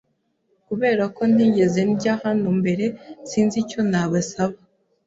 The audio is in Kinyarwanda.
Kubera ko ntigeze ndya hano mbere, sinzi icyo nabasaba.